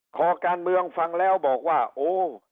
ขอการเมืองฟังแล้วบอกว่าโอ้